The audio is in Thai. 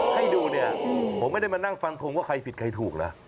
ให้ดูเนี่ยผมไม่ได้มานั่งฟันทงว่าใครผิดใครถูกนะ